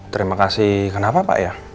terima kasih kenapa pak ya